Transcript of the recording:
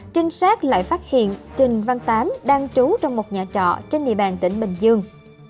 trinh sát lại phát hiện trình văn tám đang trú trong một nhà trọ trên địa bàn tỉnh bình dương